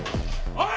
おい！